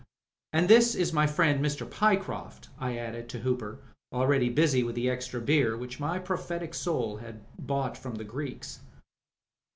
"And this is my friend, Mr. Pyecroft," I added to Hooper, already busy with the extra beer which my prophetic soul had bought from the Greeks.